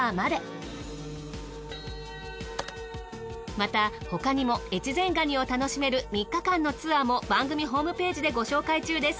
また他にも越前ガニを楽しめる３日間のツアーも番組ホームページでご紹介中です。